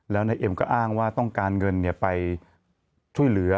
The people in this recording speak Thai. แล้วนายเอ็มก็อ้างว่าต้องการเงินไปช่วยเหลือ